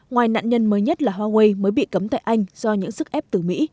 ngoài nạn nhân mới nhất là huawei mới bị cấm tại anh do những sức ép từ mỹ